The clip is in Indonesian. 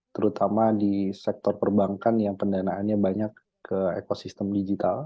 terutama di sektor perbankan yang pendanaannya banyak ke ekosistem digital